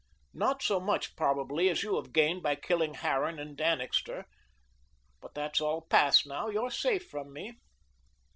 "Not so much probably as you have gained by killing Harran and Annixter. But that's all passed now. You're safe from me."